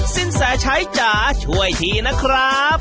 สินแสชัยจ๋าช่วยทีนะครับ